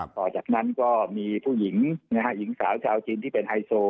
ต่อจากนั้นก็มีผู้หญิงหญิงสาวชาวจีนที่เป็นไฮโซ